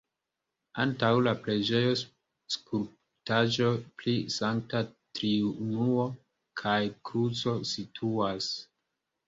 Antaŭ la preĝejo skulptaĵo pri Sankta Triunuo kaj kruco situas.